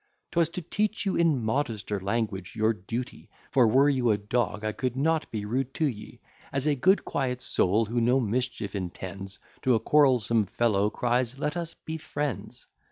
'Twas to teach you in modester language your duty; For, were you a dog, I could not be rude t'ye; As a good quiet soul, who no mischief intends To a quarrelsome fellow, cries, Let us be friends.